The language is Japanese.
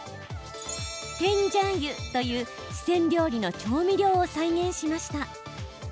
甜醤油という四川料理の調味料を再現しました。